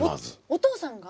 お父さんが？